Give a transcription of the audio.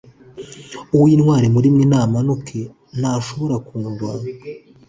Uw intwari muri mwe amanuke nashobora kundwanya